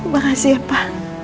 makasih ya pak